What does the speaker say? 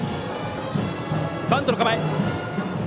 バントの構え。